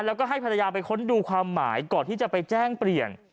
แล้วก็ให้ภรรยาไปค้นดูความหมายก่อนที่จะไปแจ้งเปลี่ยน